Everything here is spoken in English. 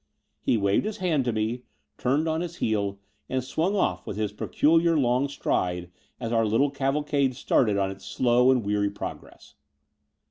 He waved his hand to me, turned on his heel, and swung off with his peculiar long stride as our Jittle cavalcade started on its slow and weary progress.